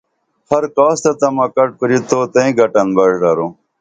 ہر کاس تہ تمہ کٹ کُری تو تئیں گٹن بݜ درو